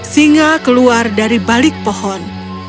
singa keluar dari balik pohon